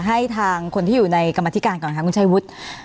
ให้ทางคนที่อยู่ในกรรมธิการก่อนค่ะคุณชัยวุฒิ